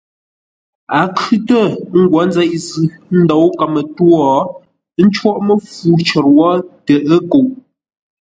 A khʉ̂tə ńgwó nzeʼ zʉ́ ńdǒu kəmə-twô, ə́ ncóghʼ məfu cər wó tə ə́ kuʼ.